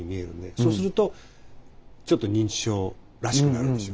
そうするとちょっと認知症らしくなるでしょ。